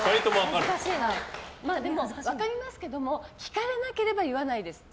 分かりますけども聞かれなければ言わないです。